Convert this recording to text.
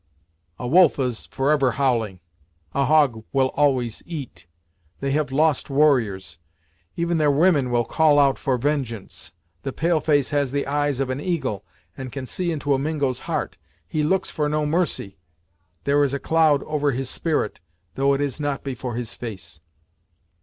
"A wolf is forever howling; a hog will always eat. They have lost warriors; even their women will call out for vengeance. The pale face has the eyes of an eagle, and can see into a Mingo's heart; he looks for no mercy. There is a cloud over his spirit, though it is not before his face."